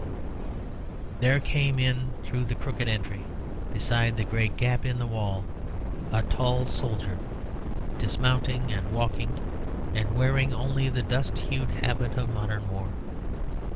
There came in through the crooked entry beside the great gap in the wall a tall soldier, dismounting and walking and wearing only the dust hued habit of modern war.